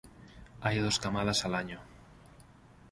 Hay dos camadas al año.